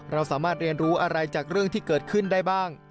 เราสามารถเรียนรู้อะไรจากเรื่องที่เกิดขึ้นได้บ้าง